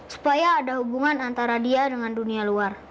supaya ada hubungan antara dia dengan dunia luar